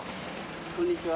こんにちは。